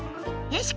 よし。